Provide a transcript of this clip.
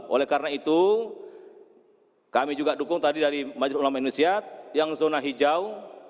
oleh karena itu kami juga dukung tadi dari majelis ulama indonesia yang zona hijau